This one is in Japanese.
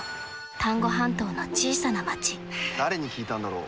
丹後半島の小さな町誰に聞いたんだろう。